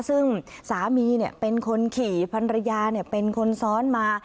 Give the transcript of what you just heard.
ซึ่งสามีเป็นคนขี่พันรยาเป็นคนซ้อนมา